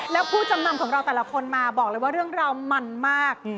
แล้วผู้จำนำของเราแต่ละคนมาบอกเลยว่าเรื่องราวมันมาก